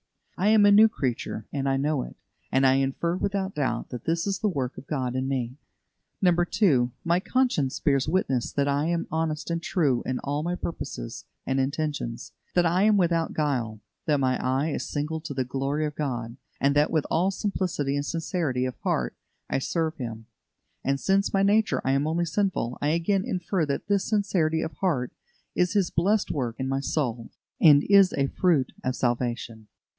I am a new creature, and I know it, and I infer without doubt that this is the work of God in me. 2. My conscience bears witness that I am honest and true in all my purposes and intentions; that I am without guile; that my eye is single to the glory of God, and that with all simplicity and sincerity of heart I serve Him; and, since by nature I am only sinful, I again infer that this sincerity of heart is His blessed work in my soul, and is a fruit of salvation.